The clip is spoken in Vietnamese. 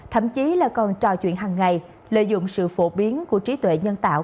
thậm chí là còn trò chuyện hàng ngày lợi dụng sự phổ biến của trí tuệ nhân tạo